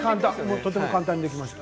とても簡単にできました。